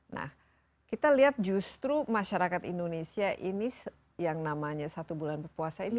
nah kita lihat justru masyarakat indonesia ini yang namanya satu bulan berpuasa ini